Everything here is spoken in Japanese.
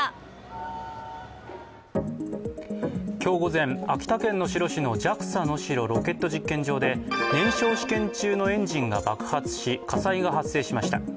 今日午前、秋田県能代市のＪＡＸＡ能代ロケット実験場で燃焼試験中のエンジンが爆発し火災が発生しました。